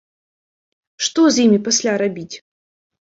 Што з імі пасля рабіць?